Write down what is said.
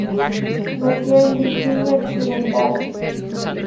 Nació en Virginia Occidental.